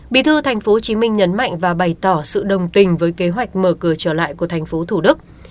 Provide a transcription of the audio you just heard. bí thư tp hcm nhấn mạnh và bày tỏ sự đồng tình với kế hoạch mở cửa trở lại của thành phố thủ đức